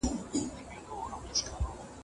د خوسي سر